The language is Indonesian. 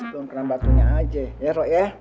dong kerambatunya aja ya sok ya